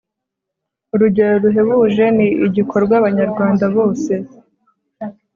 urugero ruhebuje ni igikorwa abanyarwanda bose